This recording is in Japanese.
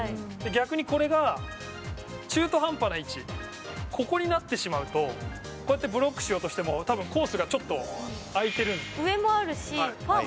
逆にこれが中途半端な位置ここになってしまうとこうやってブロックしようとしても多分、コースがちょっと空いてる。